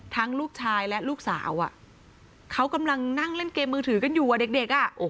ลูกชายและลูกสาวเขากำลังนั่งเล่นเกมมือถือกันอยู่เด็ก